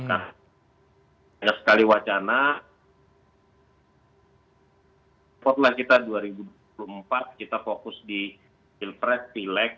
ada sekali wacana potlah kita dua ribu dua puluh empat kita fokus di pilpres pilek saja kemudian pilkada kita